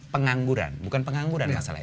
pengangguran bukan pengangguran masalah